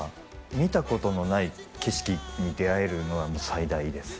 見たことのない景色に出会えるのはもう最大です